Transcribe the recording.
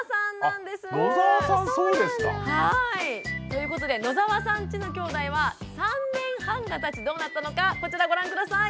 ということで野澤さんちのきょうだいは３年半がたちどうなったのかこちらご覧下さい。